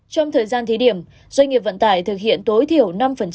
trong thời gian thí điểm doanh nghiệp vận tải thực hiện tối thiểu năm